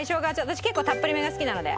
私結構たっぷりめが好きなので。